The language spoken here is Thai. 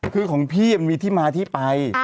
คือของพี่มันมีที่มาที่ไป